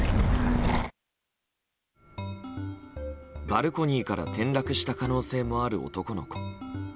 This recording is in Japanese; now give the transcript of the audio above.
バルコニーから転落した可能性もある男の子。